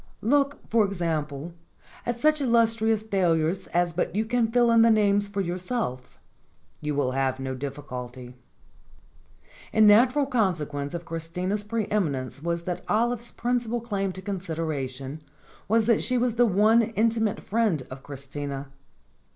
Look, for example,, at such illustrious failures as But you may fill in the names for yourself; you will have no difficulty. The natural consequence of Christina's pre eminence was that Olive's principal claim to consideration was that she was the one intimate friend of Christina.